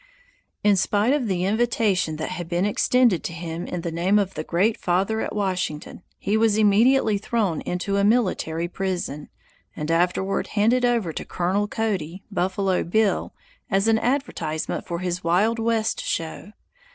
In spite of the invitation that had been extended to him in the name of the "Great Father" at Washington, he was immediately thrown into a military prison, and afterward handed over to Colonel Cody ("Buffalo Bill") as an advertisement for his "Wild West Show."